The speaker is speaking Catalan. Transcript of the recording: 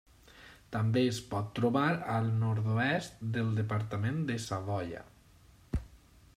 També es pot trobar a nord-oest del departament de Savoia.